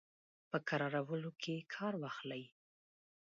په کرارولو کې کار واخلي.